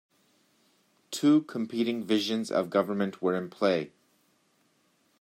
Two competing visions of government were in play.